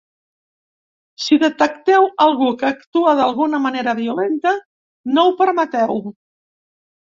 Si detecteu algú que actua d'alguna manera violenta, no ho permeteu.